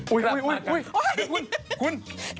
อุ๊ยคุณ